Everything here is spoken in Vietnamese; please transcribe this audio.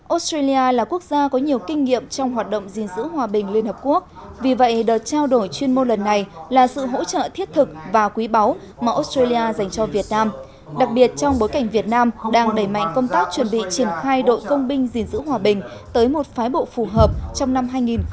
australia là quốc gia có nhiều kinh nghiệm trong hoạt động gìn giữ hòa bình liên hợp quốc vì vậy đợt trao đổi chuyên môn lần này là sự hỗ trợ thiết thực và quý báu mà australia dành cho việt nam đặc biệt trong bối cảnh việt nam đang đẩy mạnh công tác chuẩn bị triển khai đội công binh gìn giữ hòa bình tới một phái bộ phù hợp trong năm hai nghìn hai mươi